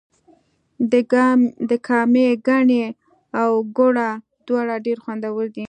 د کامې ګني او ګوړه دواړه ډیر خوندور دي.